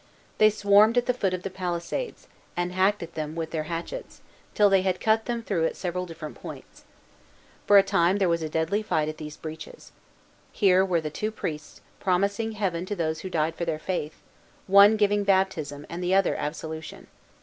They swarmed at the foot of the palisades, and hacked at them with their hatchets, till they had cut them through at several different points. For a time there was a deadly fight at these breaches. Here were the two priests, promising Heaven to those who died for their faith, one giving baptism, and the other absolution.